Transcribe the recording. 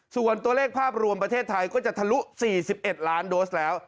ส่วนตัวเลขภาพรวมประเทศไทยก็จะทะลุ๔๑ล้านโดสแล้ว